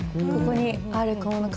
ここにある小物